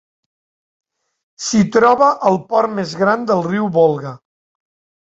S'hi troba el port més gran del riu Volga.